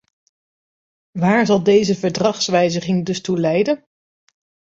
Waar zal deze verdragswijziging dus toe leiden?